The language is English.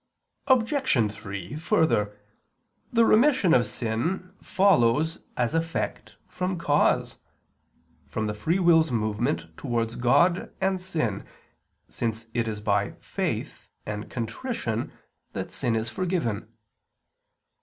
Obj. 3: Further, the remission of sin follows as effect from cause, from the free will's movement towards God and sin; since it is by faith and contrition that sin is forgiven.